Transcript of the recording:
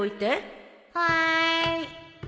はい